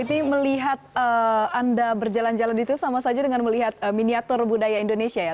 titi melihat anda berjalan jalan itu sama saja dengan melihat miniatur budaya indonesia ya